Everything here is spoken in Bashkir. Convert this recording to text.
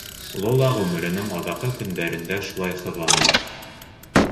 Улы ла ғүмеренең аҙаҡҡы көндәрендә шулай һыҙланды.